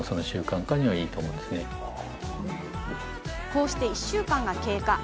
こうして１週間が経過。